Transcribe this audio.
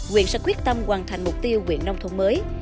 quyền sẽ quyết tâm hoàn thành mục tiêu quyền nông thôn mới